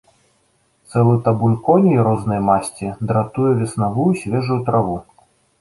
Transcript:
Цэлы табун коней рознай масці дратуе веснавую свежую траву.